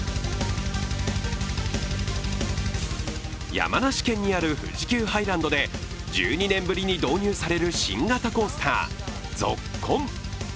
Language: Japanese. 山梨県にある富士急ハイランドで１２年ぶりに導入される新型コースター、ＺＯＫＫＯＮ。